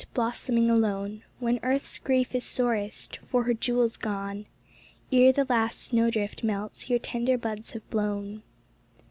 Blossoming, alone, When Earth's grief is sorest For her jewels gone— Ere the last snowdrift melts, your tender buds have blown.